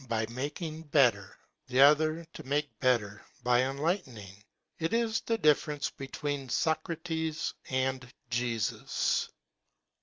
by making better, the other to make better by enlightening. It is the difference between Socrates and Jesus.